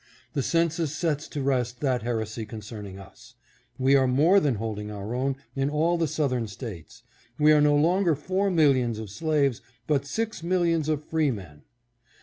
The census sets to rest that heresy concerning us. We are more than holding our own in all the Southern States. We are no longer four millions of slaves, but six millions of freemen.